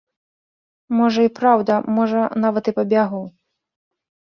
Можа, і праўда, можа, нават і пабягу.